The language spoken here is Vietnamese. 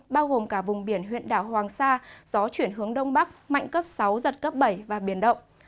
bao gồm cả vùng biển huyện đảo hoàng sa gió chuyển hướng đông bắc mạnh cấp sáu giật cấp bảy và biển động